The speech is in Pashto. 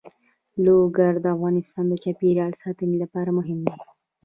لوگر د افغانستان د چاپیریال ساتنې لپاره مهم دي.